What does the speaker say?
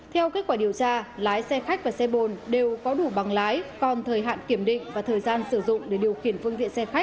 theo kết quả điều tra lái xe khách và xe bồn đều có đủ bằng lái còn thời hạn kiểm định và thời gian sử dụng